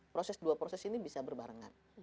proses dua proses ini bisa berbarengan